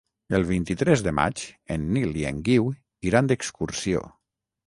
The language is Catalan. El vint-i-tres de maig en Nil i en Guiu iran d'excursió.